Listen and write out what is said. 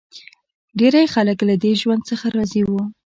ډېری خلک له دې ژوند څخه راضي وو